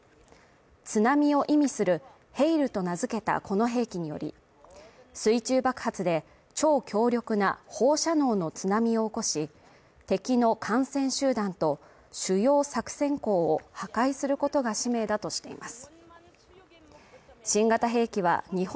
津波を意味するヘイルと名付けたこの兵器により水中爆発で、超強力な放射能の津波を起こして敵の艦船集団と主要作選港を破壊することが使命だとしています。